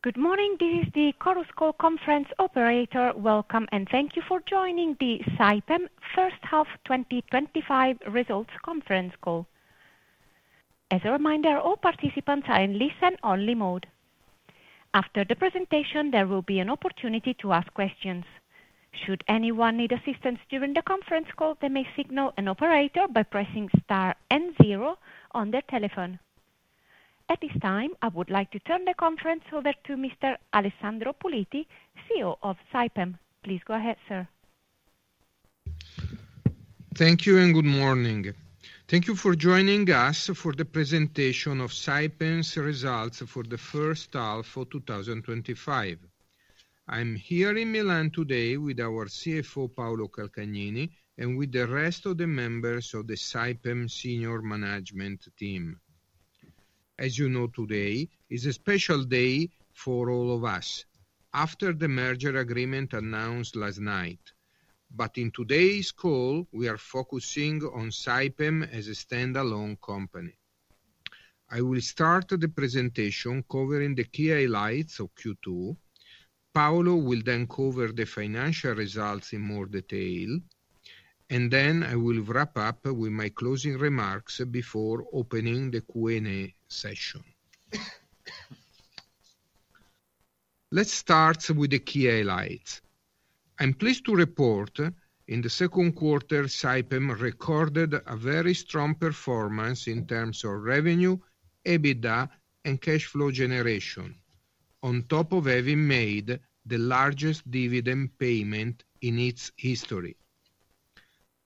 Good morning. This is the Chorus Call conference operator. Welcome and thank you for joining the Saipem First Half twenty twenty five Results Conference Call. As a reminder, all participants are in listen only mode. After the presentation, there will be an opportunity to ask questions. At this time, I would like to turn the conference over to Mr. Alessandro Politi, CEO of Saipem. Please go ahead, sir. Thank you, and good morning. Thank you for joining us for the presentation of results for the first half of twenty twenty five. I'm here in Milan today with our CFO, Paolo Calcanini and with the rest of the members of the Saipem senior management team. As you know, today is a special day for all of us after the merger agreement announced last night. But in today's call, we are focusing on Saipem as a stand alone company. I will start the presentation covering the key highlights of Q2. Paolo will then cover the financial results in more detail, and then I will wrap up with my closing remarks before opening the Q and A session. Let's start with the key highlights. I'm pleased to report in the second quarter, Saipem recorded a very strong performance in terms of revenue, EBITDA and cash flow generation on top of having made the largest dividend payment in its history.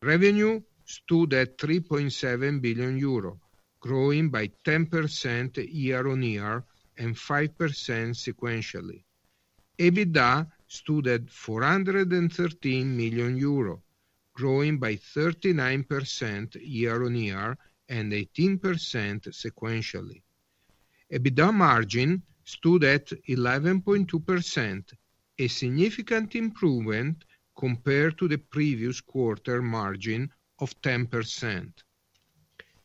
Revenue stood at €3,700,000,000 growing by 10% year on year and 5% sequentially. EBITDA stood at €413,000,000 growing by 39% year on year and 18% sequentially. EBITDA margin stood at 11.2%, a significant improvement compared to the previous quarter margin of 10%.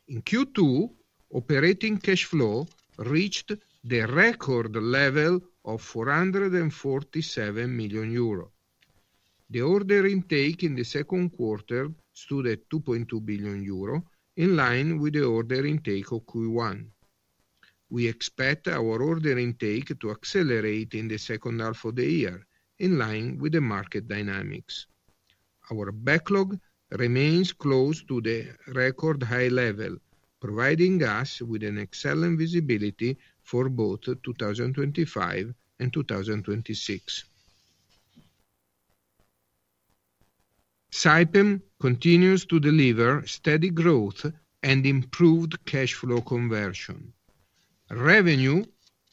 In Q2, operating cash flow reached the record level of €447,000,000 The order intake in the second quarter stood at €2,200,000,000 in line with the order intake of Q1. We expect our order intake to accelerate in the second half of the year in line with the market dynamics. Our backlog remains close to the record high level providing us with an excellent visibility for both 2025 and 2026. Saipem continues to deliver steady growth and improved cash flow conversion. Revenue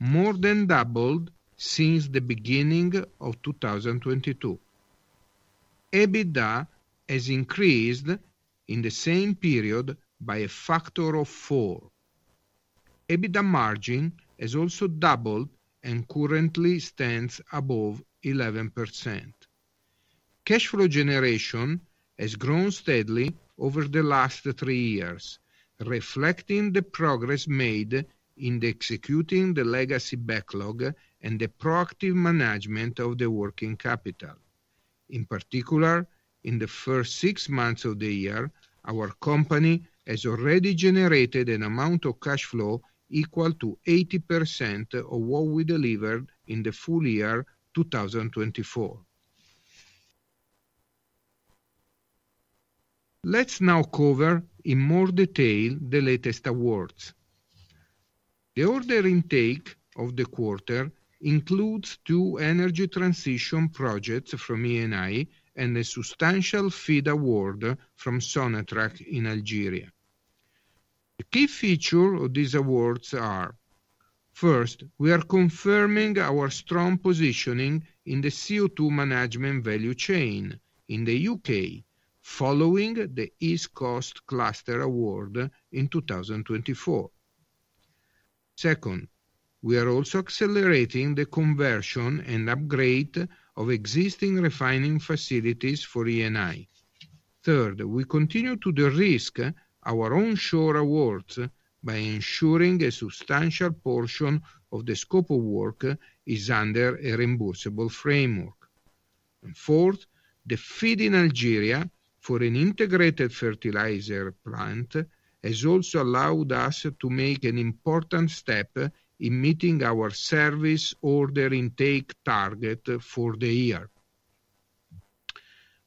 more than doubled since the beginning of 2022. EBITDA has increased in the same period by a factor of four. EBITDA margin has also doubled and currently stands above 11%. Cash flow generation has grown steadily over the last three years, reflecting the progress made in executing the legacy backlog and the proactive management of the working capital. In particular, in the first six months of the year, our company has already generated an amount of cash flow equal to 80% of what we delivered in the full year 2024. Let's now cover in more detail the latest awards. The order intake of the quarter includes two energy transition projects from ENI and a substantial FEED award from Sonatrach in Algeria. The key feature of these awards are: first, we are confirming our strong positioning in the CO2 management value chain in The UK, following the East Coast Cluster Award in 2024. Second, we are also accelerating the conversion and upgrade of existing refining facilities for ENI. Third, we continue to derisk our onshore awards by ensuring a substantial portion of the scope of work is under a reimbursable framework. And fourth, the FEED in Algeria for an integrated fertilizer plant has also allowed us to make an important step in meeting our service order intake target for the year.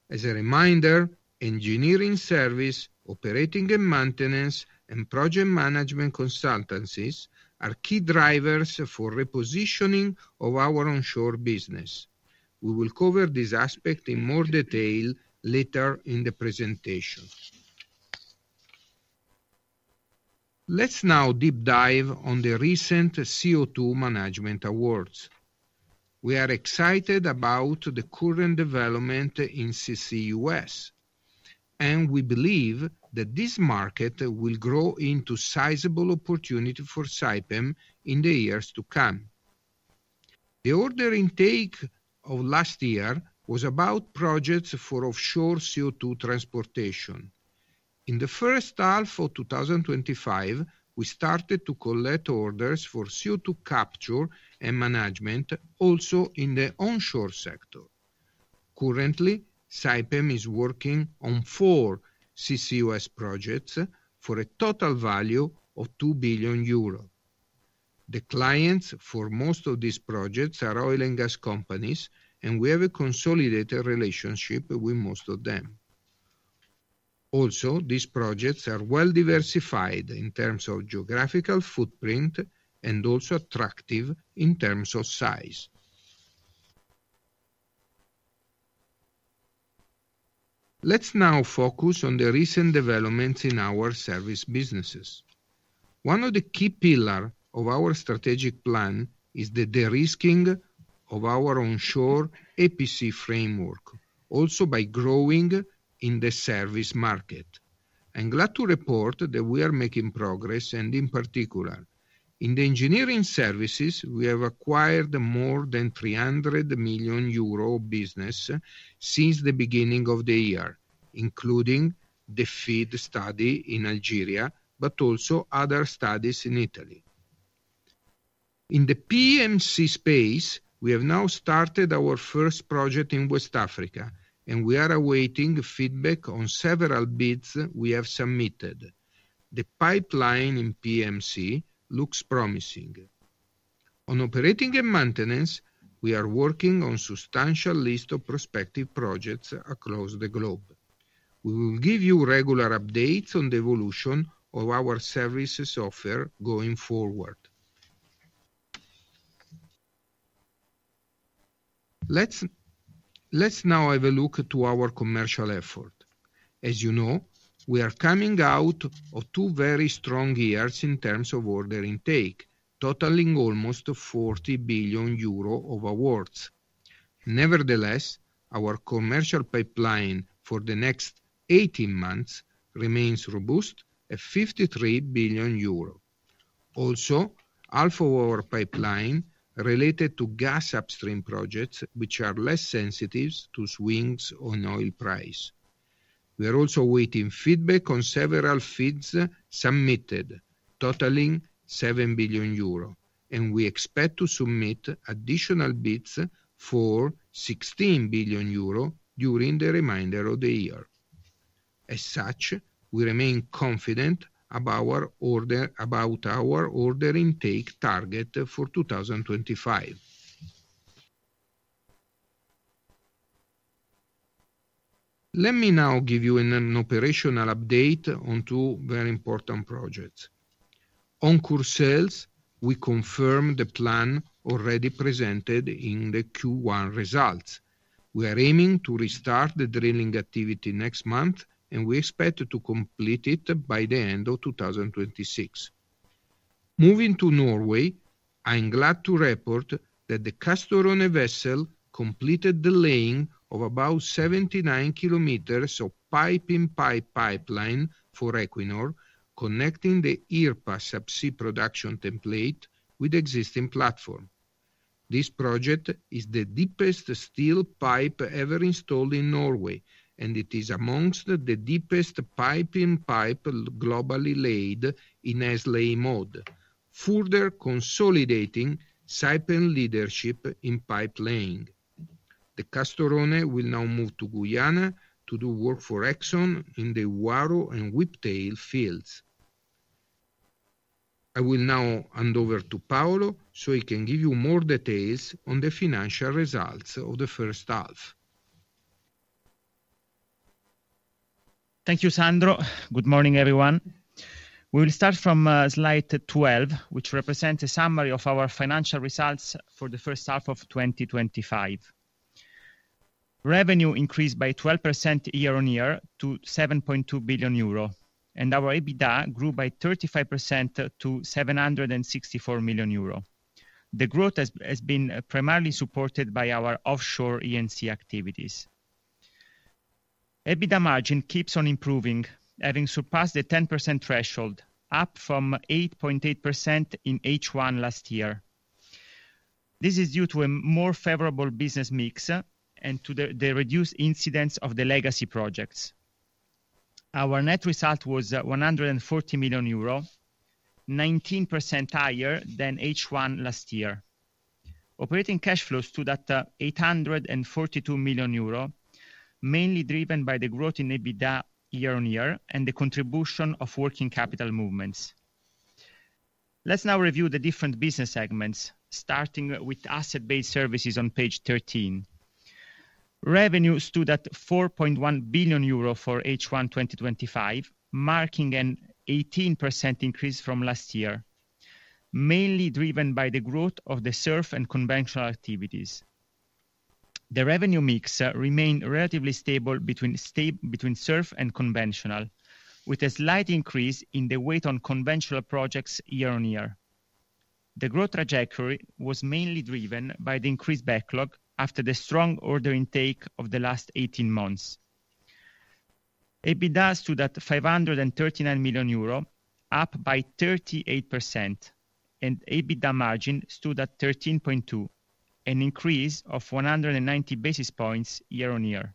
As a reminder, engineering service, operating and maintenance and project management consultancies are key drivers for repositioning of our onshore business. We will cover this aspect in more detail later in the presentation. Let's now deep dive on the recent CO2 Management Awards. We are excited about the current development in CCUS, and we believe that this market will grow into sizable opportunity for Saipem in the years to come. The order intake of last year was about projects for offshore CO2 transportation. In the first half of twenty twenty five, we started to collect orders for CO2 capture and management also in the onshore sector. Currently, Saipem is working on four CCUS projects for a total value of €2,000,000,000 The clients for most of these projects are oil and gas companies, and we have a consolidated relationship with most of them. Also, these projects are well diversified in terms of geographical footprint and also attractive in terms of size. Let's now focus on the recent developments in our service businesses. One of the key pillar of our strategic plan is the de risking of our onshore EPC framework, also by growing in the service market. I'm glad to report that we are making progress and in particular. In the engineering services, we have acquired more than 300,000,000 euro business since the beginning of the year, including the FEED study in Algeria, but also other studies in Italy. In the PMC space, we have now started our first project in West Africa and we are awaiting feedback on several bids we have submitted. The pipeline in PMC looks promising. On operating and maintenance, we are working on substantial list of prospective projects across the globe. We will give you regular updates on the evolution of our services offer going forward. Let's now have a look to our commercial effort. As you know, we are coming out of two very strong years in terms of order intake, totaling almost 40,000,000,000 euro of awards. Nevertheless, our commercial pipeline for the next eighteen months remains robust at 53,000,000,000 euro. Also, half of our pipeline related to gas upstream projects, which are less sensitive to swings on oil price. We are also awaiting feedback on several feeds submitted totaling €7,000,000,000 and we expect to submit additional bids for 16,000,000,000 euro during the remainder of the year. As such, we remain confident about our order intake target for 2025. Let me now give you an operational update on two very important projects. On Koursel, we confirm the plan already presented in the Q1 results. We are aiming to restart the drilling activity next month and we expect to complete it by the end of twenty twenty six. Moving to Norway, I'm glad to report that the Castorone vessel completed the laying of about 79 kilometers of pipe in pipe pipeline for Equinor connecting the IRPA subsea production template with existing platform. This project is the deepest steel pipe ever installed in Norway and it is amongst the deepest pipe in pipe globally laid in Nestle mode, further consolidating Saipem leadership in pipe laying. The Castorone will now move to Guyana to do work for Exxon in the Uaru and Whiptail fields. I will now hand over to Paolo, so he can give you more details on the financial results of the first half. Thank you, Sandro. Good morning, everyone. We will start from Slide 12, which represents a summary of our financial results for the first half of twenty twenty five. Revenue increased by 12% year on year to 7,200,000,000.0 euro, and our EBITDA grew by 35% to EUR $764,000,000. The growth has been primarily supported by our offshore E and C activities. EBITDA margin keeps on improving, having surpassed the 10% threshold, up from 8.8% in H1 last year. This is due to a more favorable business mix and to the reduced incidence of the legacy projects. Our net result was 140,000,000 euro, 19% higher than H1 last year. Operating cash flow stood at EUR $842,000,000, mainly driven by the growth in EBITDA year on year and the contribution of working capital movements. Let's now review the different business segments, starting with Asset Based Services on Page 13. Revenue stood at 4,100,000,000.0 euro for H1 twenty twenty five, marking an 18% increase from last year, mainly driven by the growth of the Surf and Conventional activities. The revenue mix remained relatively stable between Surf and Conventional, with a slight increase in the weight on conventional projects year on year. The growth trajectory was mainly driven by the increased backlog after the strong order intake of the last eighteen months. EBITDA stood at EUR $539,000,000, up by 38% and EBITDA margin stood at 13.2%, an increase of 190 basis points year on year.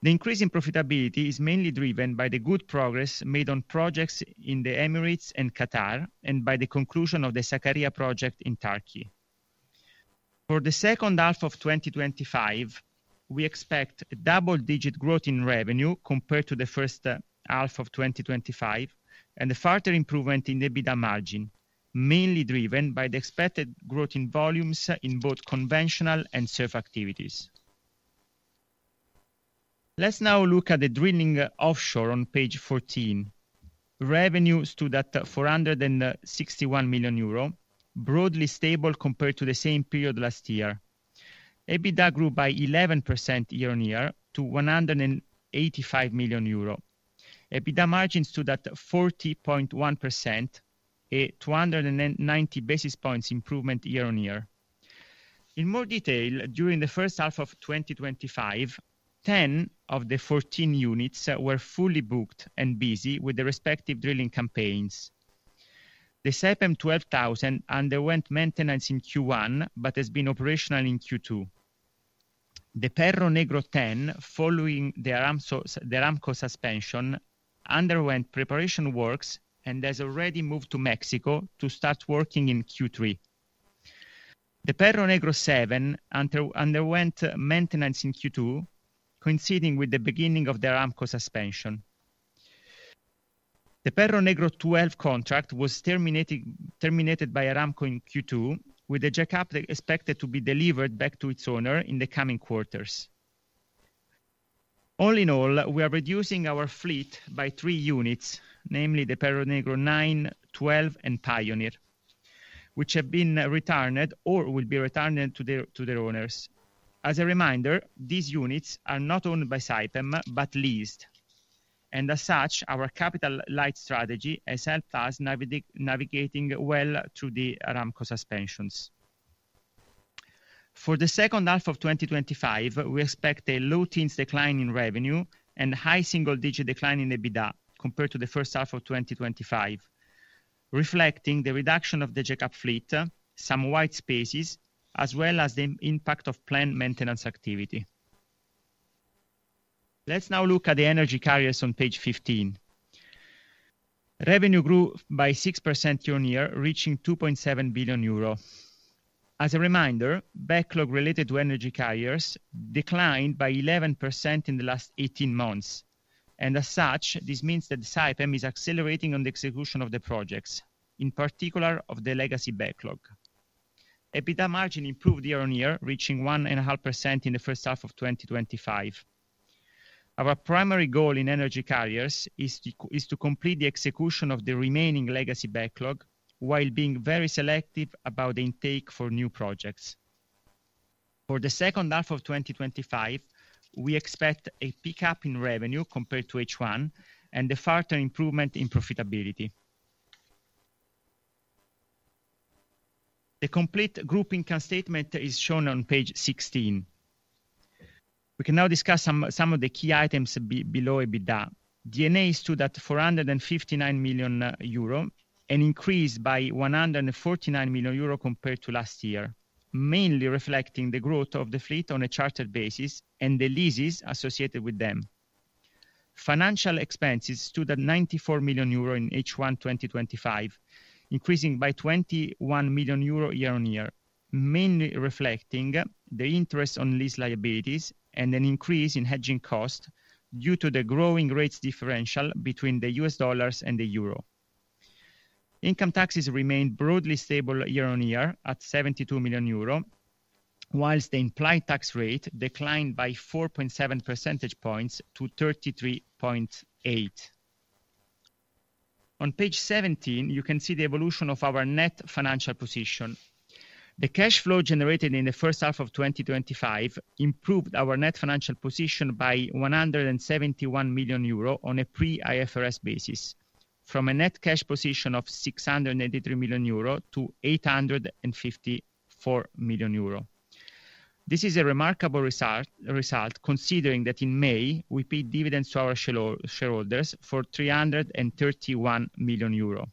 The increase in profitability is mainly driven by the good progress made on projects in The Emirates and Qatar and by the conclusion of the Saqqariya project in Turkey. For the second half of twenty twenty five, we expect double digit growth in revenue compared to the 2025 and a further improvement in EBITDA margin, mainly driven by the expected growth in volumes in both conventional and SURF activities. Let's now look at the Drilling Offshore on Page 14. Revenue stood at EUR $461,000,000, broadly stable compared to the same period last year. EBITDA grew by 11% year on year to 185,000,000 euro. EBITDA margin stood at 40.1%, a two ninety basis points improvement year on year. In more detail, during the first half of twenty twenty five, 10 of the 14 units were fully booked and busy with the respective drilling campaigns. The Sappam 12,000 underwent maintenance in Q1, but has been operational in Q2. The Perro Negro 10 following the Aramco suspension underwent preparation works and has already moved to Mexico to start working in Q3. The Perronegro seven underwent maintenance in Q2, coinciding with the beginning of the Aramco suspension. The Peronegro 12 contract was terminated by Aramco in Q2 with a jackup expected to be delivered back to its owner in the coming quarters. All in all, we are reducing our fleet by three units, namely the Perronegro nine, twelve and Payoneer, which have been returned or will be returned to their owners. As a reminder, these units are not owned by Saipem, but leased. And as such, our capital light strategy has helped us navigating well through the Aramco suspensions. For the second half of twenty twenty five, we expect a low teens decline in revenue and high single digit decline in EBITDA compared to the first half of twenty twenty five, reflecting the reduction of the jackup fleet, some white spaces as well as the impact of planned maintenance activity. Let's now look at the energy carriers on Page 15. Revenue grew by 6% year on year, reaching 2,700,000,000.0 euro. As a reminder, backlog related to energy carriers declined by 11% in the last eighteen months. And as such, this means that Saipem is accelerating on the execution of the projects, in particular of the legacy backlog. EBITDA margin improved year on year, reaching 1.5% in the first half of twenty twenty five. Our primary goal in Energy Carriers is to complete the execution of the remaining legacy backlog while being very selective about the intake for new projects. For the second half of twenty twenty five, we expect a pickup in revenue compared to H1 and a further improvement in profitability. The complete group income statement is shown on Page 16. We can now discuss some of the key items below EBITDA. D and A stood at EUR $459,000,000 and increased by 149,000,000 euro compared to last year, mainly reflecting the growth of the fleet on a chartered basis and the leases associated with them. Financial expenses stood at 94,000,000 euro in H1 twenty twenty five, increasing by 21 million euro year on year, mainly reflecting the interest on lease liabilities and an increase in hedging costs due to the growing rates differential between the U. S. Dollars and the euro. Income taxes remained broadly stable year on year at 72 million euro, whilst the implied tax rate declined by 4.7 percentage points to 33.8. On Page 17, you can see the evolution of our net financial position. The cash flow generated in the 2025 improved our net financial position by 171,000,000 euro on a pre IFRS basis from a net cash position of EUR $683,000,000 to EUR $854,000,000. This is a remarkable result considering that in May, we paid dividends to our shareholders for EUR $331,000,000.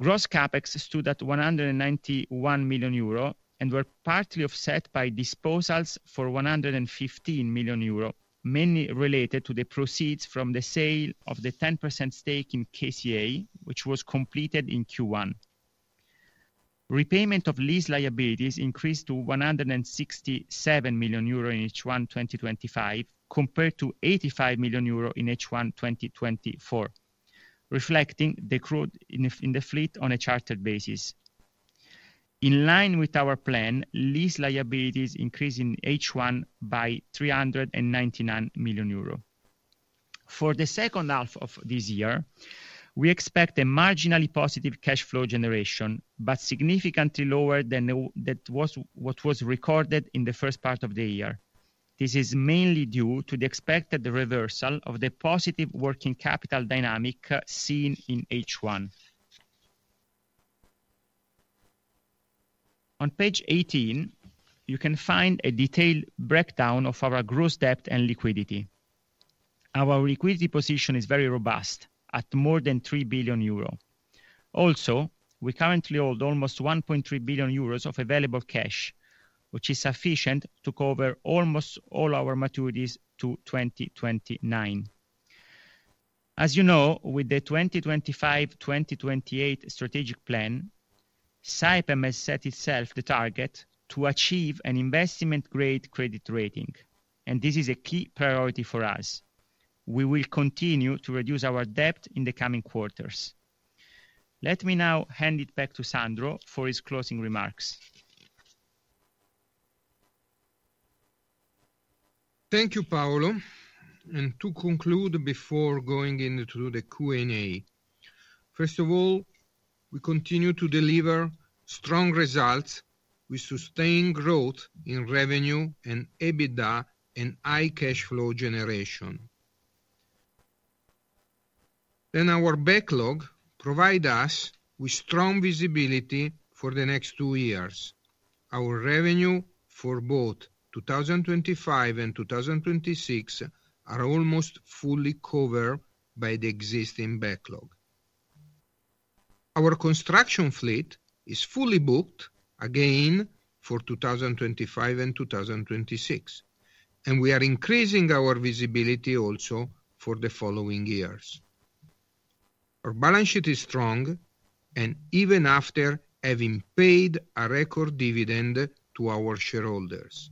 Gross CapEx stood at 191,000,000 euro and were partly offset by disposals for 115,000,000 euro, mainly related to the proceeds from the sale of the 10% stake in KCA, which was completed in Q1. Repayment of lease liabilities increased to 167,000,000 euro in H1 twenty twenty five compared to 85,000,000 euro in H1 twenty twenty four, reflecting the crude in the fleet on a chartered basis. In line with our plan, lease liabilities increased in H1 by EUR $399,000,000. For the second half of this year, we expect a marginally positive cash flow generation, but significantly lower than what was recorded in the first part of the year. This is mainly due to the expected reversal of the positive working capital dynamic seen in H1. On Page 18, you can find a detailed breakdown of our gross debt and liquidity. Our liquidity position is very robust at more than 3,000,000,000 euro. Also, we currently hold almost 1,300,000,000.0 euros of available cash, which is sufficient to cover almost all our maturities to 2029. As you know, with the twenty twenty five-twenty twenty eight strategic plan, Saipem has set itself the target to achieve an investment grade credit rating, and this is a key priority for us. We will continue to reduce our debt in the coming quarters. Let me now hand it back to Sandro for his closing remarks. Thank you, Paolo. And to conclude before going into the Q and A, First of all, we continue to deliver strong results with sustained growth in revenue and EBITDA and high cash flow generation. Then our backlog provide us with strong visibility for the next two years. Our revenue for both twenty twenty five and 2026 are almost fully covered by the existing backlog. Our construction fleet is fully booked again for 2025 and 2026 and we are increasing our visibility also for the following years. Our balance sheet is strong and even after having paid a record dividend to our shareholders.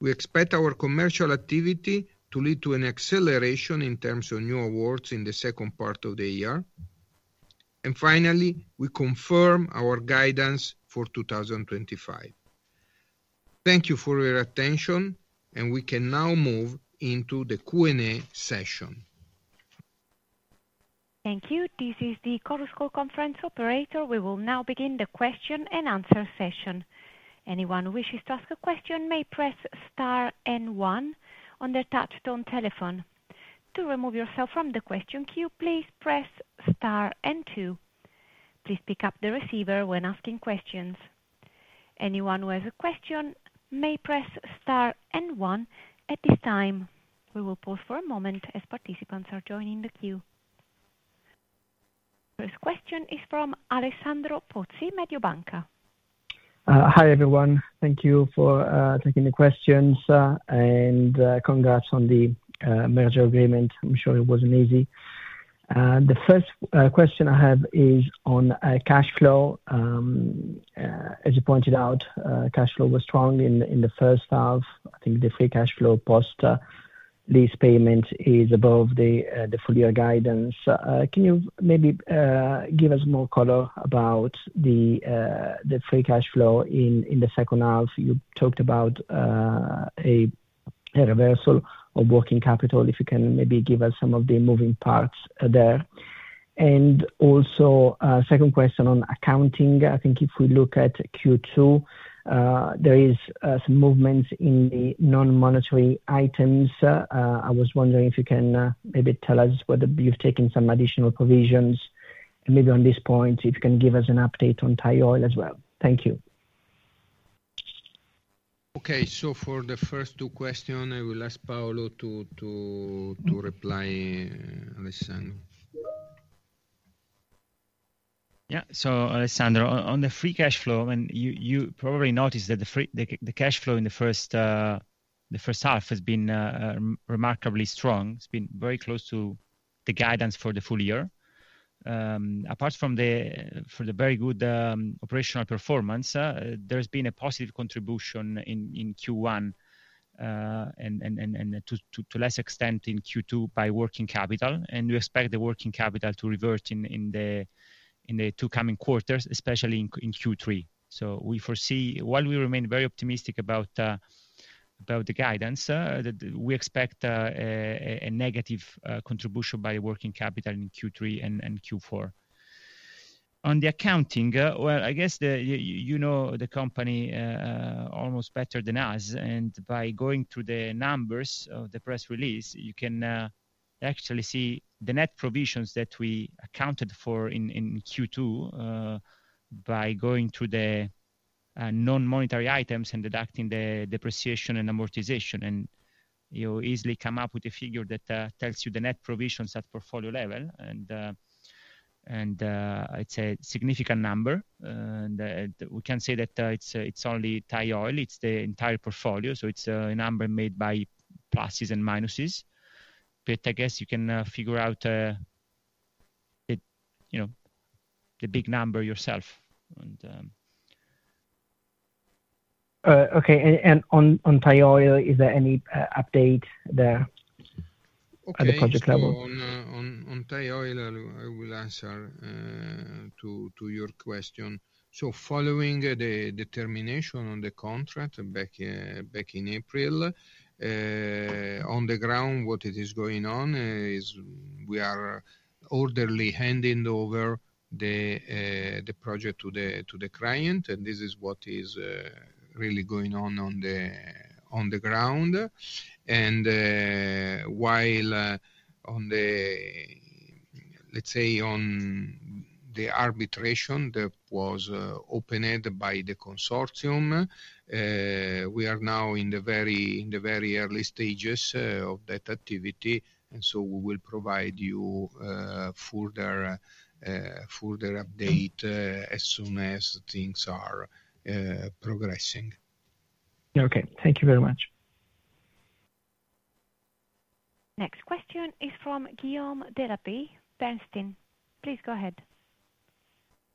We expect our commercial activity to lead to an acceleration in terms of new awards in the second part of the year. And finally, we confirm our guidance for 2025. Thank you for your attention, and we can now move into the Q and A session. Thank you. This is the Chorus Call conference operator. We will now begin the question and answer session. First question is from Alessandro Pozzi, Mediobanca. Hi, everyone. Thank you for taking the questions and congrats on the merger agreement. I'm sure it wasn't easy. The first question I have is on cash flow. As you pointed out, cash flow was strong in the first half. I think the free cash flow post lease payment is above the full year guidance. Can you maybe give us more color about the free cash flow in the second half. You talked about reversal of working capital, if you can maybe give us some of the moving parts there. And also second question on accounting, I think if we look at Q2, there is some movements in the nonmonetary items. I was wondering if you can maybe tell us whether you've taken some additional provisions. And maybe on this point, if you can give us an update on Thai oil as well. Thank you. Okay. So for the first two questions, I will ask Paolo to reply, Alessandro. Yes. So Alessandro, on the free cash flow, you probably noticed that the free cash flow in the first half has been remarkably strong. It's been very close to the guidance for the full year. Apart from the very good operational performance, there's been a positive contribution in Q1 and to less extent in Q2 by working capital. And we expect the working capital to revert in the two coming quarters, especially in Q3. So we foresee while we remain very optimistic about the guidance, we expect a negative contribution by working capital in Q3 and Q4. On the accounting, well, I guess, know the company almost better than us. And by going through the numbers of the press release, you can actually see the net provisions that we accounted for in Q2 by going through the non monetary items and deducting the depreciation and amortization. And you easily come up with a figure that tells you the net provisions at portfolio level. And it's a significant number. We can say that it's only Thai oil, it's the entire portfolio. So it's a number made by pluses and minuses. But I guess you can figure out the big number yourself. Okay. And on oil, is there any update there Okay. At the project So on Thai oil, I will answer to your question. So following the determination on the contract back in April, on the ground what is going on is we are orderly handing over the project to the client and this is what is really going on the ground. And while on the let's say on the arbitration that was opened by the consortium, we are now in the very early stages of that activity And so we will provide you further update as soon as things are progressing. Okay. Thank you very much. Next question is from Guillaume Derapie, Bernstein. Please go ahead.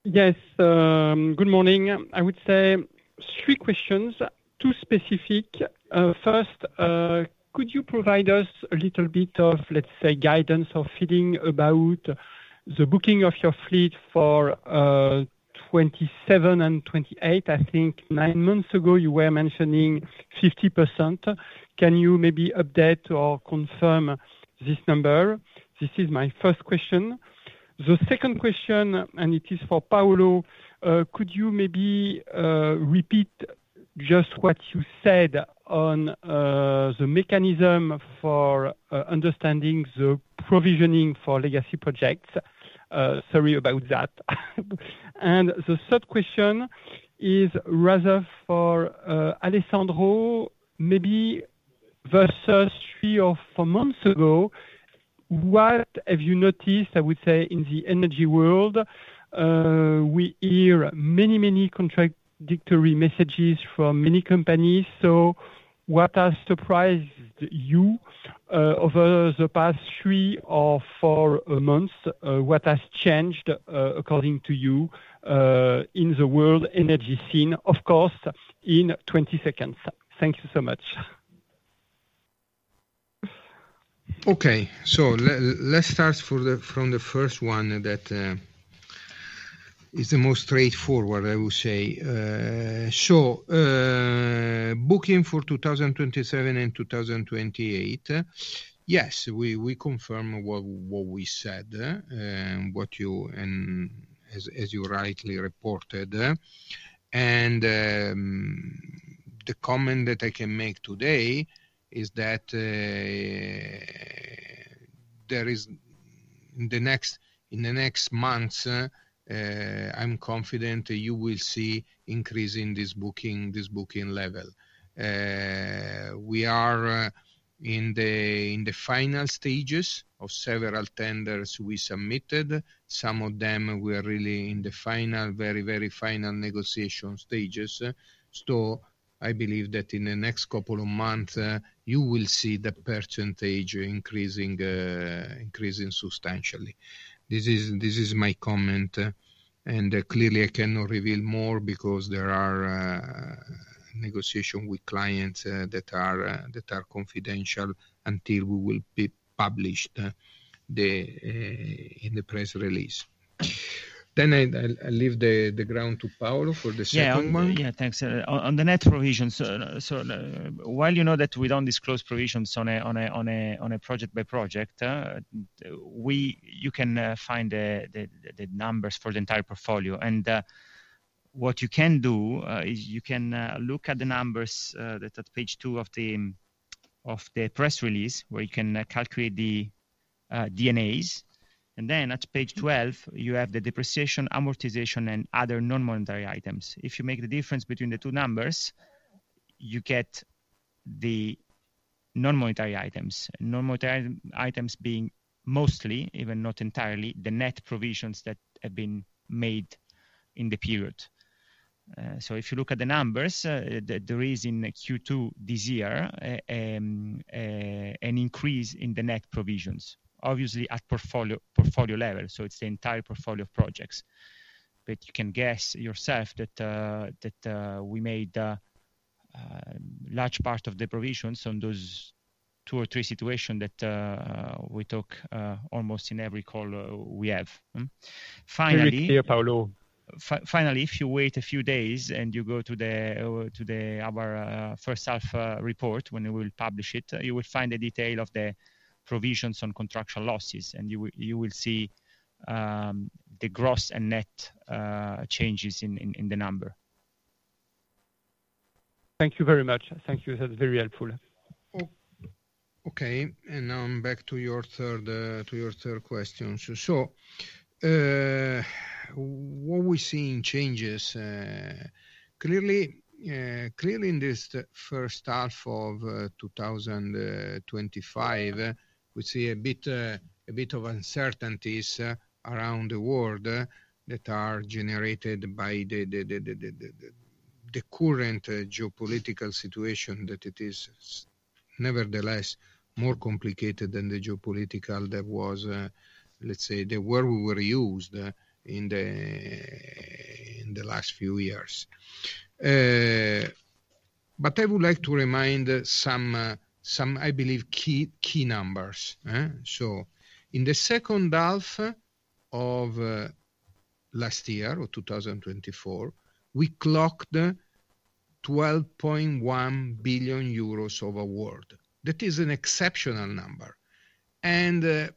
Yes. Good morning. I would say three questions, two specific. First, could you provide us a little bit of, let's say, guidance of feeding about the booking of your fleet for 2728%? I think nine months ago, you were mentioning 50%. Can you maybe update or confirm this number? This is my first question. The second question, and it is for Paolo, could you maybe repeat just what you said on the mechanism for understanding the provisioning for legacy projects? Sorry about that. And the third question is rather for Alessandro, maybe versus three or four months ago, what have you noticed, I would say, in the energy world, we hear many, many contradictory messages from many companies. So what has surprised you over the past three or four months? What has changed according to you in the world energy scene of course in twenty seconds? Thank you so much. Okay. So let's start from the first one that is the most straightforward, I will say. So booking for 2027 and 2028, yes, we confirm what we said and what you and as you rightly reported. And the comment that I can make today is that there is in the next months, I'm confident you will see increase in this booking level. We are in the final stages of several tenders we submitted. Some of them we are really in the final, very, very final negotiation stages. So I believe that in the next couple of months, you will see the percentage increasing substantially. This is my comment and clearly, I cannot reveal more because there are negotiations with clients that confidential until we will be published in the press release. Then I'll leave the ground to Paolo for the second Yes. Thanks. On the net provisions, so while you know that we don't disclose provisions on a project by project, we you can find the numbers for the entire portfolio. And what you can do is you can look at the numbers that at Page two of the press release where you can calculate the D and As. And then at Page 12, you have the depreciation, amortization and other nonmonetary items. If you make the difference between the two numbers, you get the nonmonetary items, nonmonetary items being mostly, even not entirely, the net provisions that have been made in the period. So if you look at the numbers, there is in Q2 this year an increase in the net provisions, Obviously, at portfolio portfolio level, so it's the entire portfolio of projects. But you can guess yourself that that we made a large part of the provisions on those two or three situation that we talk almost in every call we have. Finally Very clear, Paolo. Finally, if you wait a few days and you go to the our first half report when we will publish it, you will find the detail of the provisions on contractual losses and you will see the gross and net changes in the number. Thank you very much. Thank you. That's very helpful. Okay. And now back to your third question. So what we're changes, clearly in this first half of twenty twenty five, we see a bit of uncertainties around the world that are generated by the current geopolitical situation that it is nevertheless more complicated than the geopolitical that was, let's say, the world were used in the last few years. But I would like to remind some, I believe, key numbers. So in the second half of last year or 2024, we clocked €12,100,000,000 of award. That is an exceptional number and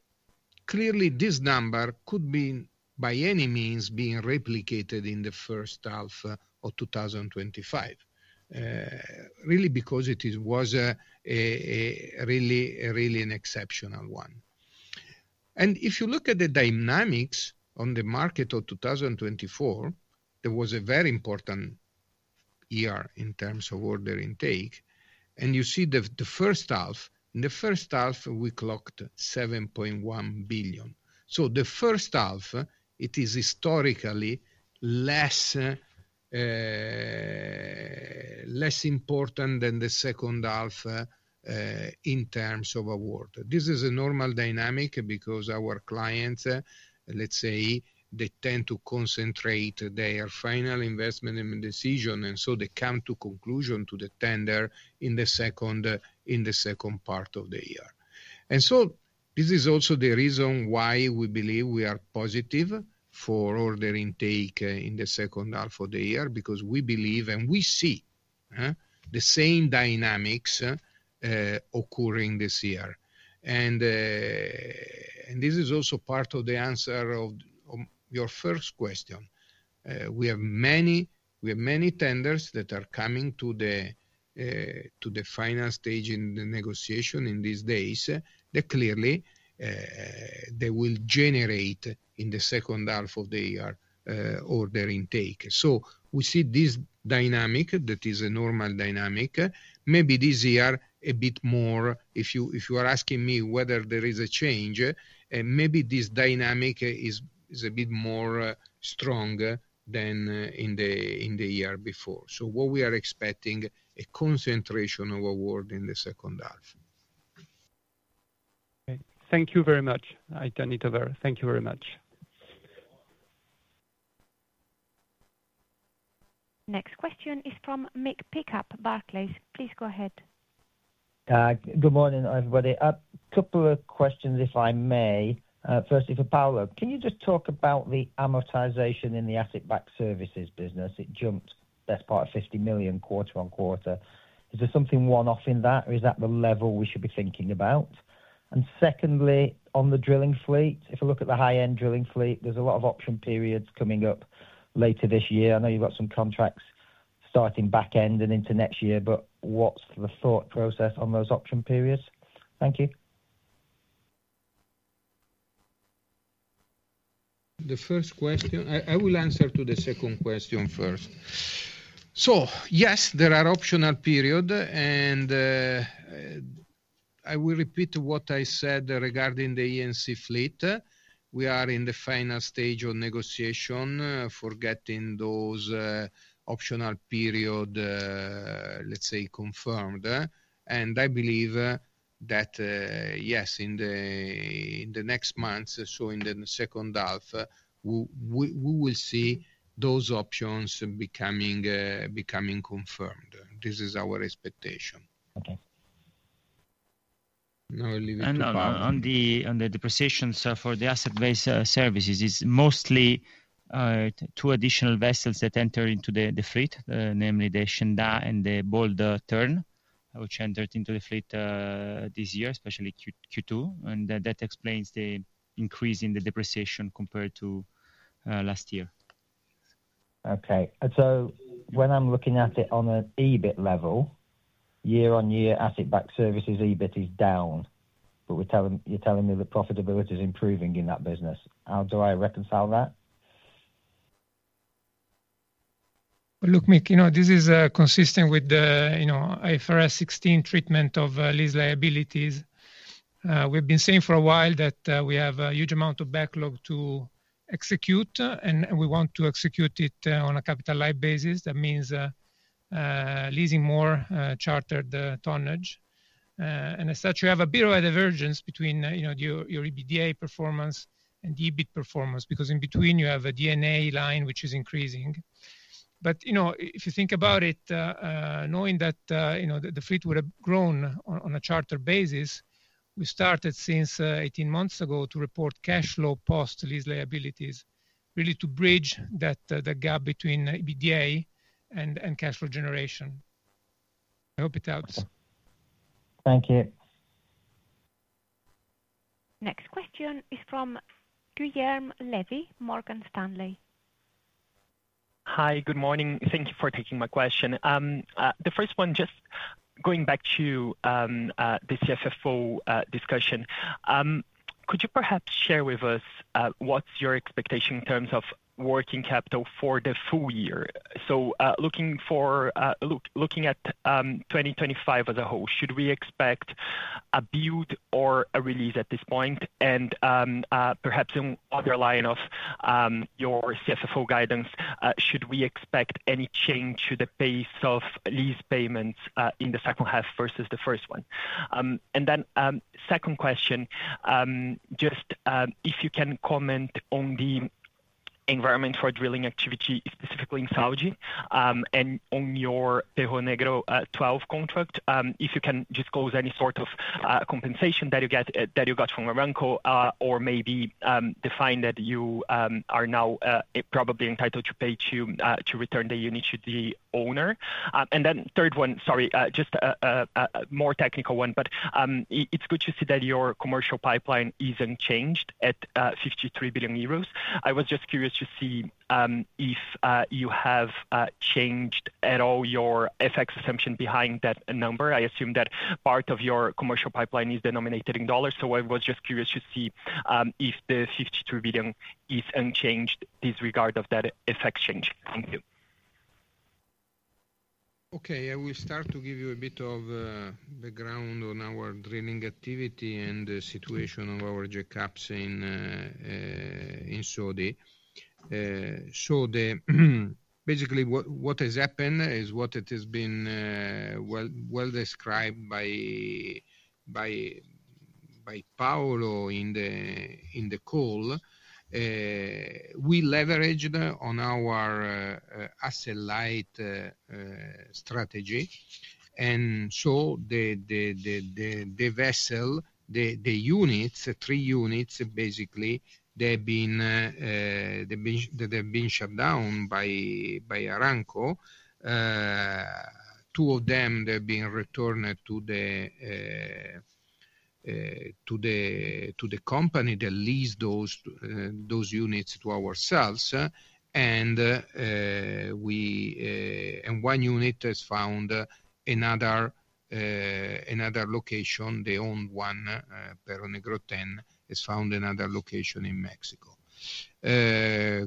clearly this number could be by any means being replicated in the 2025 really because it was really an exceptional one. And if you look at the dynamics on the market of 2024, there was a very important year in terms of order intake and you see the first half. In the first half, we clocked $7,100,000,000 So the first half, it is historically less important than the second half in terms of award. This is a normal dynamic because our clients, let's say, they tend to concentrate their final investment decision and so they come to conclusion to the tender in the second part of the year. And so this is also the reason why we believe we are positive for order intake in the second half of the year because we believe and we see the same dynamics occurring this year. And this is also part of the answer of your first question. We have many tenders that are coming to the final stage in the negotiation in these days that clearly they will generate in the second half of the year order intake. So we see this dynamic that is a normal dynamic. Maybe this year a bit more if you are asking me whether there is a change, maybe this dynamic is a bit more stronger than in the year before. So what we are expecting a concentration of award in the second half. Okay. Thank you very much. I turn it over. Thank you very much. Next question is from Mick Pickup, Barclays. Please go ahead. Good morning, everybody. A couple of questions, if I may. Firstly, Paolo. Can you just talk about the amortization in the asset backed services business? It jumped best part of 50,000,000 quarter on quarter. Is there something one off in that? Or is that the level we should be thinking about? And secondly, on the drilling fleet, if you look at the high end drilling fleet, there's a lot of option periods coming up later this year. I know you've got some contracts starting back end and into next year, but what's the thought process on those option periods? Thank you. The first question I will answer to the second question first. So yes, there are optional period. And I will repeat what I said regarding the E and C fleet. We are in the final stage of negotiation for getting those optional period, let's say, confirmed. And I believe that, yes, in the next months, so in the second half, we will see those options becoming confirmed. This is our expectation. Okay. Now I'll leave it to And on the depreciation for the asset based services, it's mostly two additional vessels that enter into the fleet, namely the Shanda and the Boulder Turn, which entered into the fleet this year, especially Q2, and that explains the increase in the depreciation compared to last year. Okay. And so when I'm looking at it on an EBIT level, year on year Asset Back Services EBIT is down, but you're telling me the profitability is improving in that business. How do I reconcile that? Look, Mick, this is consistent with the IFRS 16 treatment of lease liabilities. We've been saying for a while that we have a huge amount of backlog to execute and we want to execute it on a capital light basis. That means leasing more chartered tonnage. And as such, you have a bit of a divergence between your EBITDA performance and the EBIT performance because in between, have a D and A line which is increasing. But if you think about it, knowing that the fleet would have grown on a charter basis, we started since eighteen months ago to report cash flow post lease liabilities, really to bridge that gap between EBITDA and cash flow generation. I hope it helps. Thank you. Next question is from Guillaume Levy, Morgan Stanley. Hi, good morning. Thank you for taking my question. The first one, just going back to the CFFO discussion. Could you perhaps share with us what's your expectation in terms of working capital for the full year? So looking for looking at 2025 as a whole, should we expect a build or a release at this point? And perhaps in underlying of your CFFO guidance, should we expect any change to the pace of lease payments in the second half versus the first one? And then second question, just if you can comment on the environment for drilling activity, specifically in Saudi and on your Tejon Negro 12 contract, if you can disclose any sort of compensation that you get that you got from Aramco or maybe define that you are now probably entitled to pay to return the unit to the owner? And then third one, sorry, technical one, but it's good to see that your commercial pipeline isn't changed at 53,000,000,000 euros. I was just curious to see if you have changed at all your FX assumption behind that number. I assume that part of your commercial pipeline is denominated in dollars. So I was just curious to see if the €52,000,000,000 is unchanged disregard of that FX change. Thank you. Okay. I will start to give you a bit of the ground on our drilling activity and the situation of our jackups in Saudi. So basically, what has happened is what it has been well described by Paulo in the call. We leveraged on our asset light strategy. And so the vessel the units, the three units basically, they've been shut down by Aramco. Two of them, they're being returned to the company that lease those units to ourselves. And and one unit has found another location, the owned one, Perro Negro ten, has found another location in Mexico.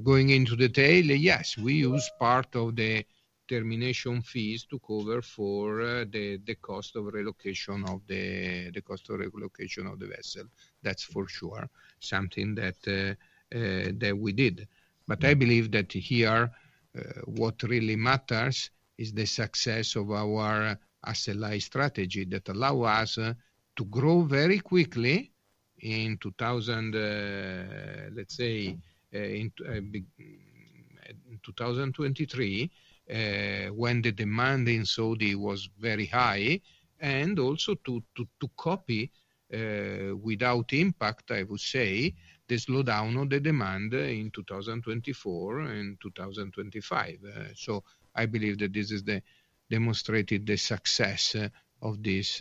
Going into detail, yes, we use part of the termination fees to cover for the cost of relocation of the vessel. That's for sure something that we did. But I believe that here, what really matters is the success of our SLI strategy that allow us to grow very quickly in 2000 let's say, 2023 when the demand in Saudi was very high and also to copy without impact, I would say, the slowdown of the demand in 2024 and twenty twenty twenty five. So I believe that this is demonstrated the success of this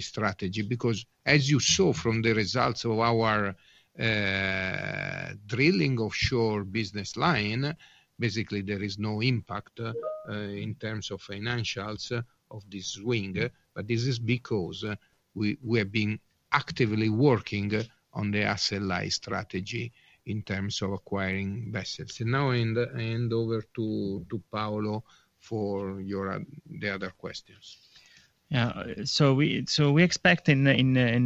strategy because as you saw from the results of our drilling offshore business line, basically, is no impact in terms of financials of this swing, but this is because we have been actively working on the asset light strategy in terms of acquiring vessels. And now, I hand over to Paolo for your the other questions. So we expect in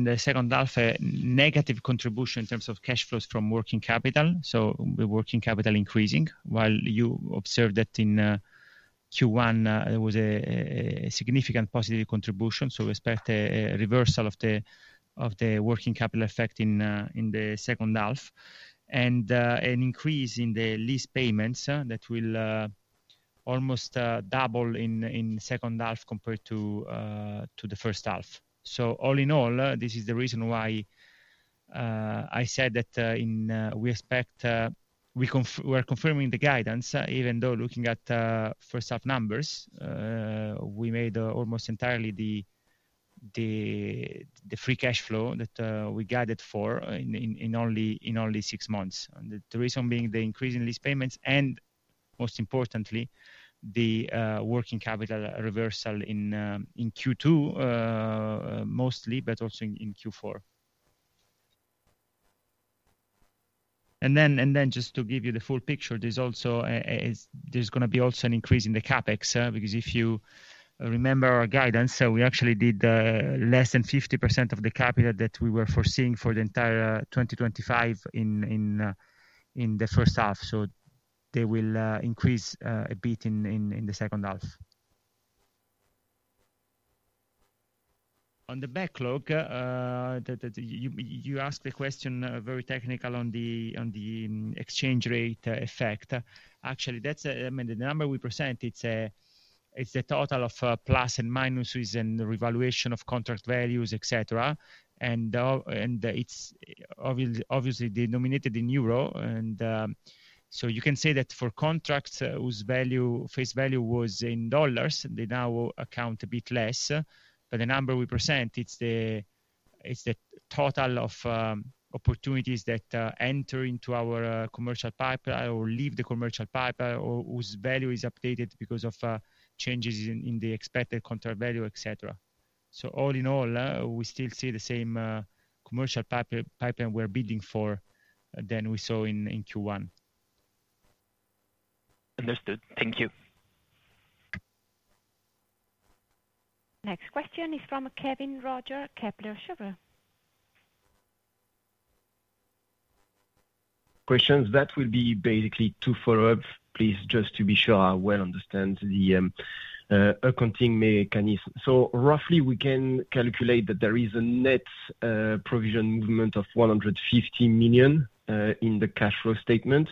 the second half negative contribution in terms of cash flows from working capital. So the working capital increasing, while you observed that in Q1, there was a significant positive contribution. So we expect a reversal of the working capital effect in the second half and an increase in the lease payments that will almost double in second half compared to the first half. So all in all, this is the reason why I said that we expect we're confirming the guidance even though looking at first half numbers, we made almost entirely the free cash flow that we guided for in only six months. The reason being the increase in lease payments and most importantly, the working capital reversal in Q2 mostly, but also in Q4. Q4. And then just to give you the full picture, there's there's going to be also an increase in the CapEx because if you remember our guidance, we actually did less than 50% of the capital that we were foreseeing for the entire 2025 in the first half. So they will increase a bit in the second half. On the backlog, you asked the question very technical on exchange rate effect. Actually, that's the number we present, it's a total of plus and minus within the revaluation of contract values, etcetera. And it's obviously denominated in euro. So you can see that for contracts whose value face value was in dollars, they now account a bit less. But the number we present, it's total of opportunities that enter into our commercial pipeline or leave the commercial pipeline or whose value is updated because of changes in the expected contract value, etcetera. So all in all, we still see the same commercial pipeline we're bidding for than we saw in Q1. Understood. Thank you. Next question is from Kevin Roger, Kepler Cheuvreux. Questions that will be basically two follow ups, please, just to be sure I well understand the accounting mechanism. So roughly, we can calculate that there is a net provision movement of €150,000,000 in the cash flow statement.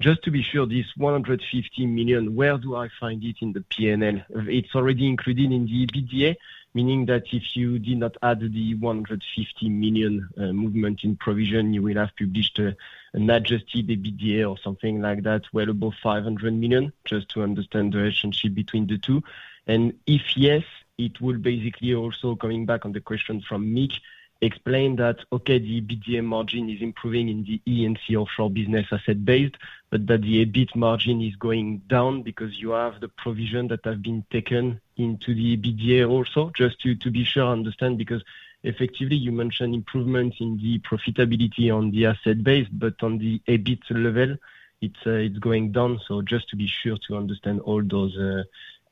Just to be sure, this €150,000,000 where do I find it in the P and L? It's already included in the EBITDA, meaning that if you did not add the €150,000,000 movement in provision, you will have to list an adjusted EBITDA or something like that well above €500,000,000 just to understand the relationship between the two? And if yes, it will basically also coming back on the question from Mick explain that, okay, the EBITDA margin is improving in the E and C Offshore business asset based, but that the EBIT margin is going down because you have the provision that have been taken into the EBITDA also? Just to be sure I understand because effectively you mentioned improvements profitability on the asset base, but on the EBIT level it's going down. So just to be sure to understand all those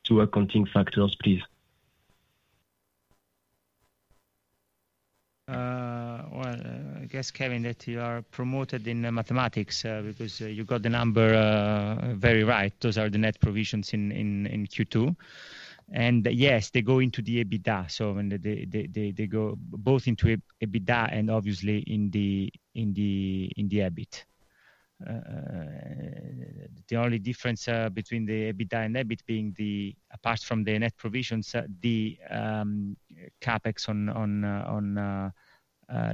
two accounting factors please. I guess Kevin that you are promoted in mathematics because you got the number very right. Those are the net provisions in Q2. And yes, they go into the EBITDA. So they go both into EBITDA and obviously in the EBIT. The only difference between the EBITDA and EBIT being the apart from the net provisions, the CapEx on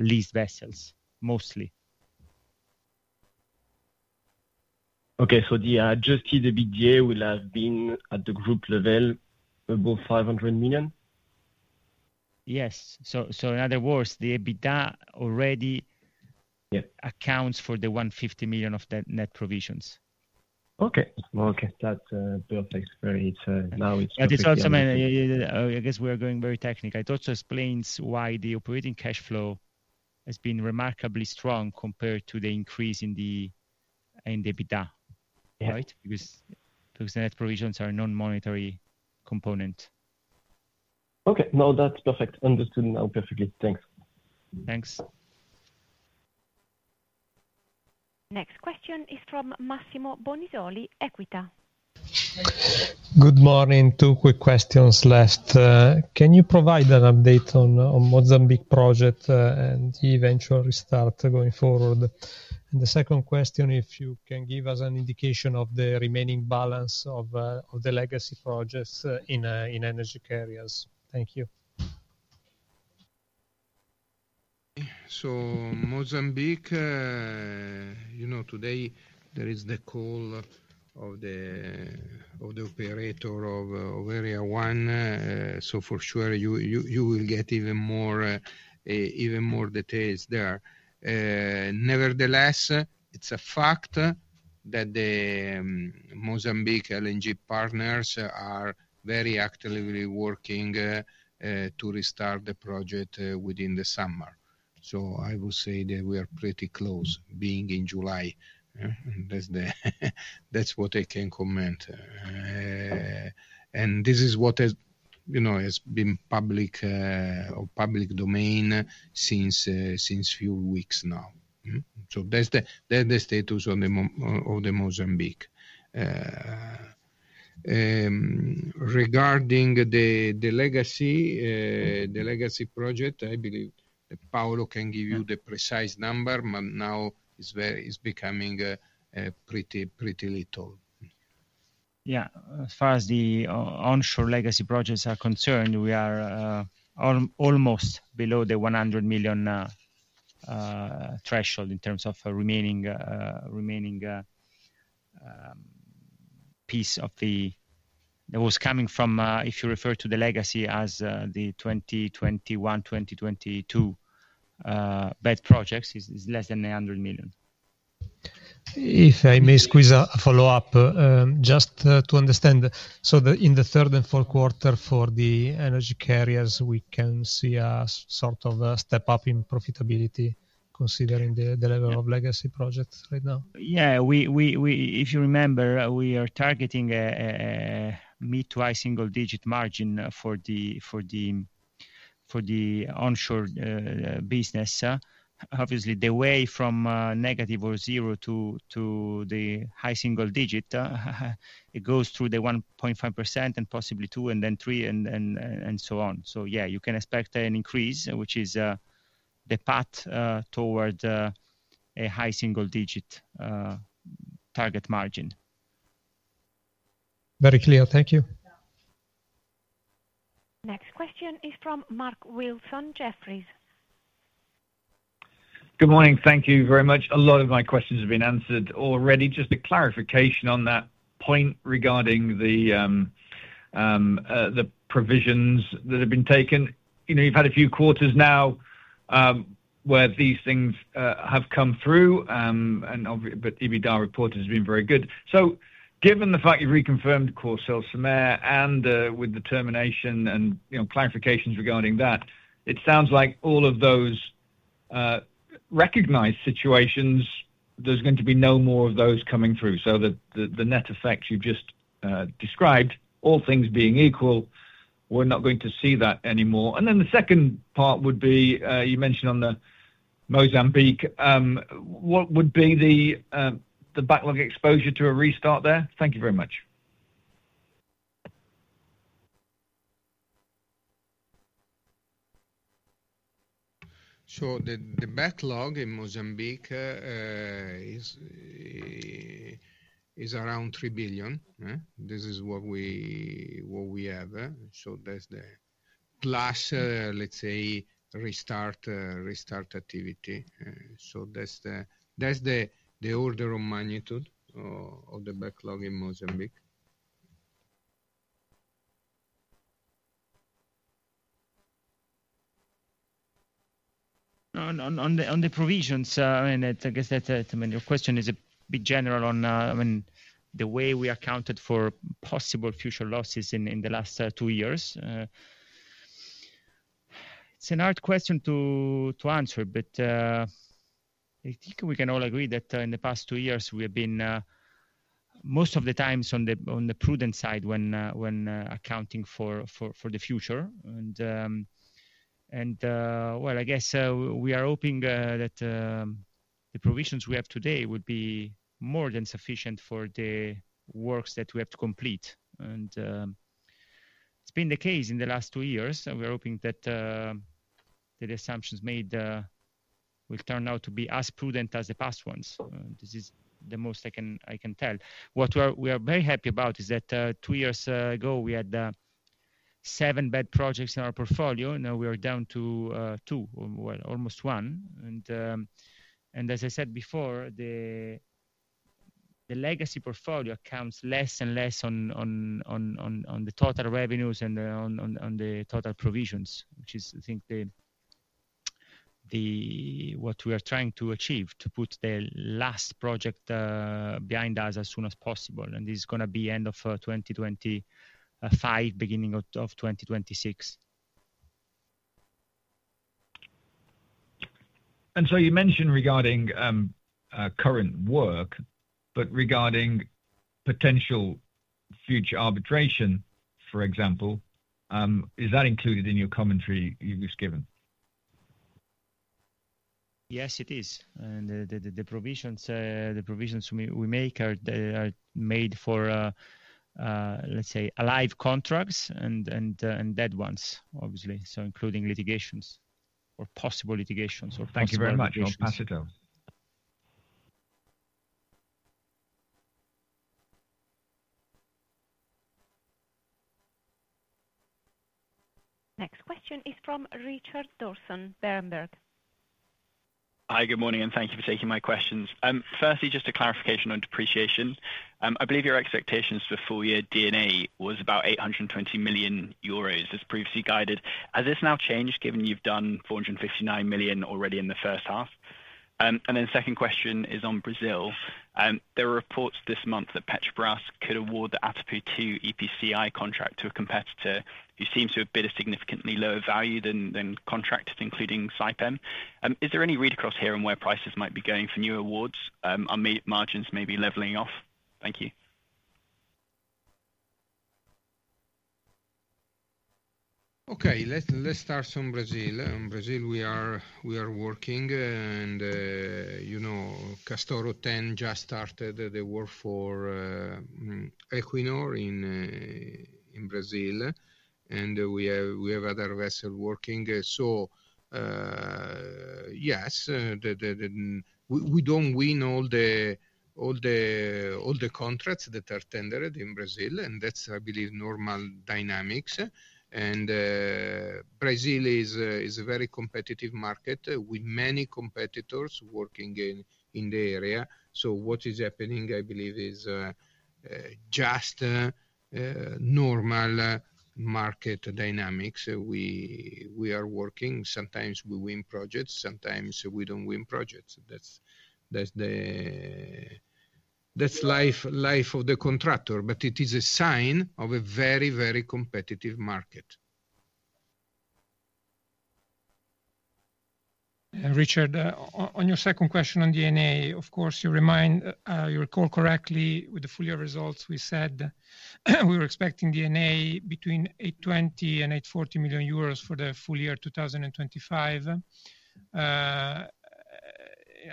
leased vessels mostly. Okay. So the adjusted EBITDA will have been at the group level above 500,000,000? Yes. So in other words, the EBITDA already accounts for the 150,000,000 of that net provisions. Okay. That's perfect. Now it's I guess we're going very technical. It also explains why the operating cash flow has been remarkably strong compared to the increase in the EBITDA, Because those net provisions are non monetary component. Okay. No, that's perfect. Understood now perfectly. Thanks. Thanks. Next question is from Massimo Bonizoli, Equita. Good morning. Two quick questions left. Can you provide an update on Mozambique project and the eventual restart going forward? And the second question, if you can give us an indication of the remaining balance of the legacy projects in energy carriers? Thank you. So Mozambique, today there is the call of the operator of Area 1. So for sure, you will get even more details there. Nevertheless, it's a fact that the Mozambique LNG partners are very actively working to restart the project within the summer. So I will say that we are pretty close being in July. That's what I can comment and this is what has been public domain since few weeks now. So that's the status of the Mozambique. Regarding the legacy project, I believe Paulo can give you the precise number, but now it's becoming pretty little. Yes. As far as the onshore legacy projects are concerned, we are almost below the 100,000,000 threshold in terms of remaining piece of the that was coming from if you refer to the legacy as the twenty twenty one, twenty twenty two bed projects is less than 800,000,000. If I may squeeze a follow-up, just to understand, so that in the third and fourth quarter for the energy carriers, we can see a sort of a step up in profitability considering the level of legacy projects right now? Yes. If you remember, we are targeting mid to high single digit margin for the onshore business. Obviously, the way from negative or zero to the high single digit, it goes through the 1.5% possibly 2% and then 3% and so on. So yes, you can expect an increase which is the path toward a high single digit target margin. Very clear. Thank you. Next question is from Mark Wilson, Jefferies. Good morning. Thank you very much. A lot of my questions have been answered already. Just a clarification on that point regarding the provisions that have been taken. You've had a few quarters now where these things have come through, but EBITDA report has been very good. So given the fact you reconfirmed CorSoil Semere and with the termination and clarifications regarding that, it sounds like all of those recognized situations, there's going to be no more of those coming through. So the net effect you've just described, all things being equal, we're not going to see that anymore. And then the second part would be, you mentioned on the Mozambique, what would be the backlog exposure to a restart there? Thank you very much. Sure. The backlog in Mozambique is around 3,000,000,000. This is what we have. So that's the plus, let's say, restart activity. So that's the order of magnitude of the backlog in Mozambique. On the provisions, I guess that your question is a bit general on the way we accounted for possible future losses in the last two years. It's an hard question to answer, but I think we can all agree that in the past two years we have been most of the times on prudent side when accounting for the future. Well, I guess we are hoping that the provisions we have today would be more than sufficient for the works that we have to complete. And it's been the case in the last two years, and we're hoping that assumptions made will turn out to be as prudent as the past ones. This is the most I can tell. What we are very happy about is that two years ago we had seven bad projects in our portfolio, now we are down to two, almost one. And as I said before, the legacy portfolio comes less and less on the total revenues and on the total provisions, which is I think the what we are trying to achieve to put the last project behind us as soon as possible. And this is going to be end of twenty twenty five, beginning of twenty twenty six. And so you mentioned regarding current work, but regarding potential future arbitration, for example, is that included in your commentary you've just given? Yes, it is. And the provisions we make are made for, let's say, alive contracts and dead ones, obviously, so including litigations or possible litigations or possible. Thank you very much. Next question is from Richard Thorson, Berenberg. Hi, good morning and thank you for taking my questions. Firstly, just a clarification on depreciation. I believe your expectations for full year D and A was about €820,000,000 as previously guided. Has this now changed given you've done €459,000,000 already in the first half? And then second question is on Brazil. There are reports this month that Petrobras could award the Atapu II EPCI contract to a competitor who seems to have bid a significantly lower value than contracts including Saipem. Is there any read across here on where prices might be going for new awards? Are margins maybe leveling off? Thank you. Okay. Let's start from Brazil. In Brazil, we are working and Castoro ten just started the work for Equinor in Brazil and we have other vessel working. So yes, we don't win all the contracts that are tendered in Brazil and that's I believe normal dynamics. And Brazil is a very competitive market with many competitors working in the area. So what is happening, I believe, is just normal market dynamics. We are working. Sometimes we win projects. Sometimes we don't win projects. That's the life of the contractor, but it is a sign of a very, very competitive market. Richard, on your second question on D and A, of course, you remind you recall correctly with the full year results, we said we were expecting D and A between $820,000,000 and $840,000,000 for the full year 2025. I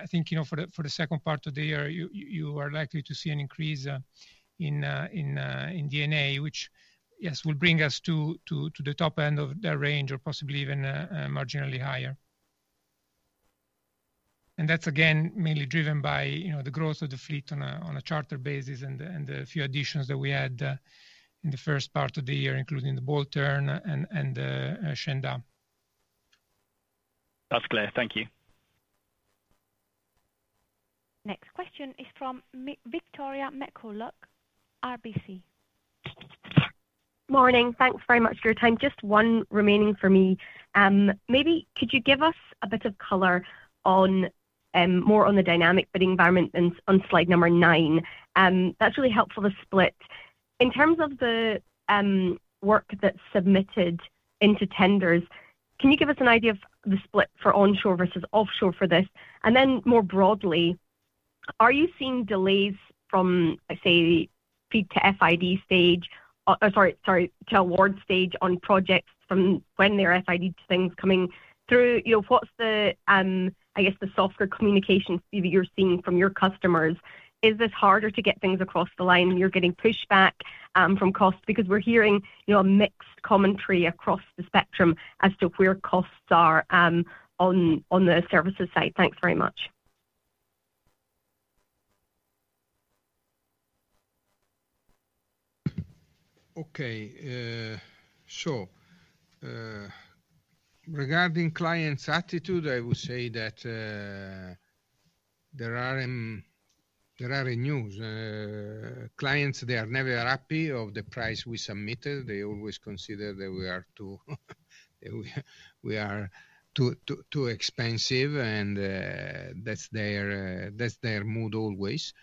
think for the second part of the year, you are likely to see an increase in D and A, which, yes, will bring us to the top end of the range or possibly even marginally higher. And that's, again, mainly driven by the growth of the fleet on a charter basis and the few additions that we had in the first part of the year, including the bolt on and Shanda. That's clear. Thank you. Next question is from Victoria McCulloch, RBC. Good morning. Thanks very much for your time. Just one remaining for me. Maybe could you give us a bit of color on more on the dynamic bidding environment on Slide number nine? That's really helpful, the split. In terms of the work that's submitted into tenders, can you give us an idea of the split for onshore versus offshore for this? And then more broadly, are you seeing delays from, say, feed to FID stage sorry, to award stage on projects from when they're FID things coming through. What's the guess the software communications that you're seeing from your customers? Is this harder to get things across the line when you're getting pushback from costs? Because we're hearing mixed commentary across the spectrum as to where costs are on the services side? Thanks very much. Okay. So regarding clients' attitude, I would say that there are new clients, they are never happy of the price we submitted. They always consider that we are too expensive and that's their mood always.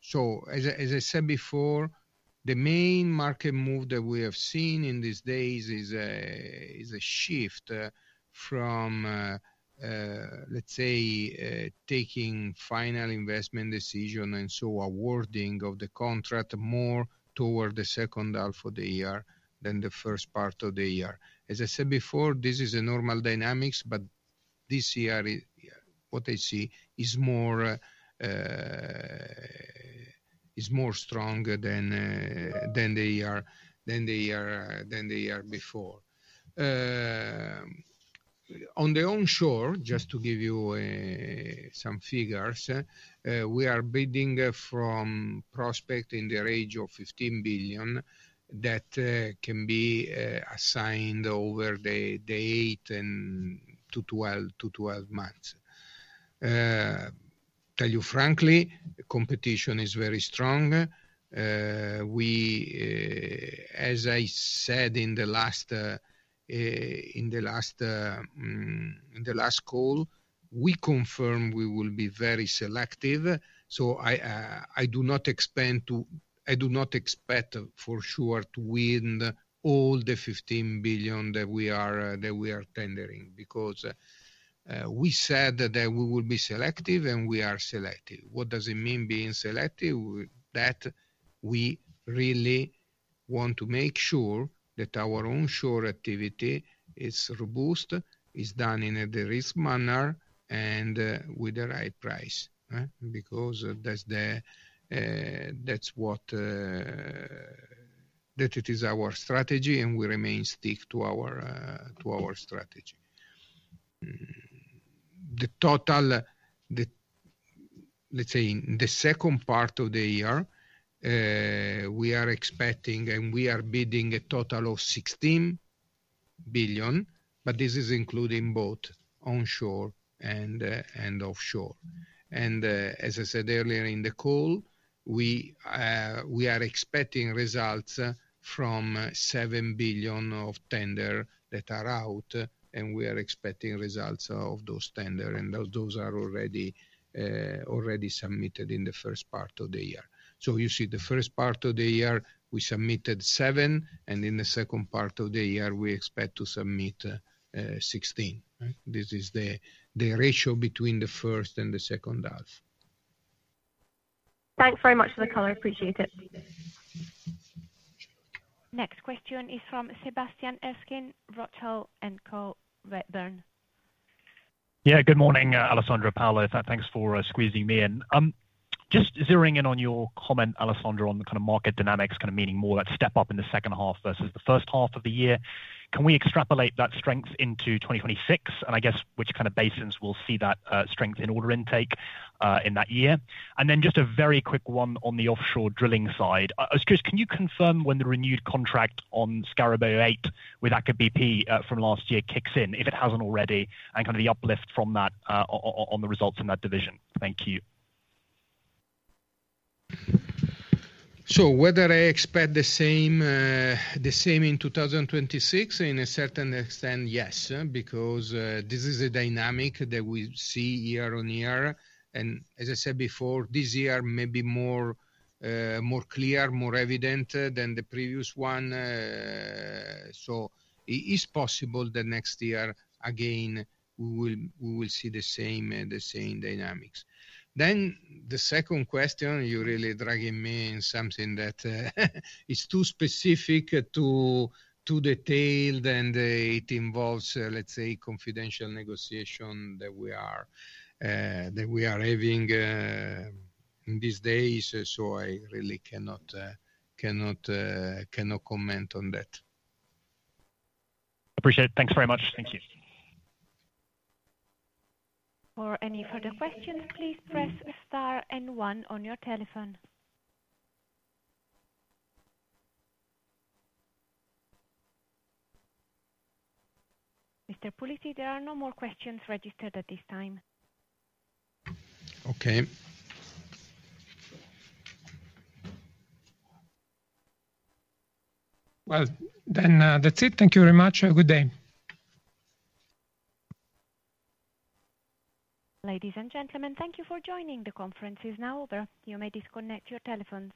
So as I said before, the main market move that we have seen in these days is a shift from, let's say, taking final investment decision and so awarding of the contract more toward the second half of the year than the first part of the year. As I said before, this is a normal dynamics, but this year, I see is more stronger than the year before. On the onshore, just to give you some figures, are bidding from prospect in the range of 15,000,000,000 that can be assigned over the eight to twelve months. To tell you frankly, competition is very strong. We as I said in the last call, we confirm we will be very selective. So I do not expect for sure to win all the $15,000,000,000 that we are tendering because we said that we will be selective and we are selective. What does it mean being selective? That we really want to make sure that our onshore activity is robust, is done in a de risk manner and with the right price because that's what that it is our strategy and we remain stick to our strategy. The total, let's say, in the second part of the year, we are expecting and we are bidding a total of 16,000,000,000 but this is including both onshore and offshore. And as I said earlier in the call, we are expecting results from €7,000,000,000 of tender that are out and we are expecting results of those tender and those are already submitted in the first part of the year. So you see the first part of the year, we submitted €7,000,000,000 and in the second part of the year, we expect to submit 16%. This is the ratio between the first and the second half. Thanks very much for the color. Appreciate it. Question is from Sebastian Erskine, Rothschild and Co, Redburn. Yes. Good morning, Alessandra, Paolo. Thanks for squeezing me in. Just zeroing in on your comment, Alessandra, on the kind of market dynamics kind of meaning more of that step up in the second half versus the first half of the year. Can we extrapolate that strength into 2026? And I guess, kind of basins we'll see that strength in order intake in that year? And then just a very quick one on the offshore drilling side. I was curious, can you confirm when the renewed contract on Scarabeo eight with Aker BP from last year kicks in, if it hasn't already and kind of the uplift from that on the results in that division? Thank you. So whether I expect the same in 2026, in a certain extent, yes, because this is a dynamic that we see year on year. And as I said before, this year may be more clear, more evident than the previous one. So it is possible that next year, again, we will see the same dynamics. Then the second question, you're really dragging me in something that is too specific to detail then it involves, let's say, confidential negotiation that we are having in these days. So I really cannot comment on that. Appreciate it. Thanks very much. Thank you. Mr. Pulisi, there are no more questions registered at this time. Okay. Well, then that's it. Thank you very much. Have a good day. Ladies and gentlemen, thank you for joining. The conference is now over. You may disconnect your telephones.